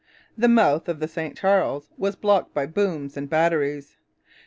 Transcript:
The mouth of the St Charles was blocked by booms and batteries.